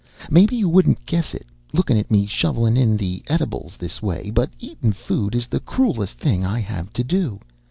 "Maybe you wouldn't guess it, lookin' at me shovelin' in the eatables this way, but eatin' food is the croolest thing I have to do.